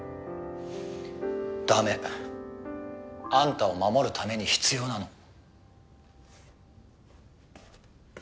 ダメあんたを守るために必要なの何？